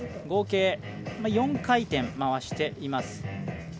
合計４回転、回しています。